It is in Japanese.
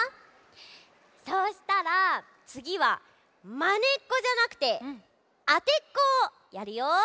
そうしたらつぎはマネっこじゃなくてあてっこをやるよ。